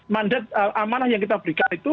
mandat amanah yang kita berikan itu